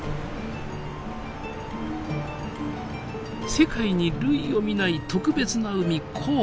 世界に類を見ない特別な海紅海。